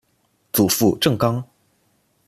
祖父郑刚。